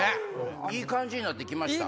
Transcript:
いい感じになって来ました。